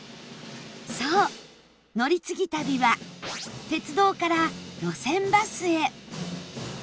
そう乗り継ぎ旅は鉄道から路線バスへ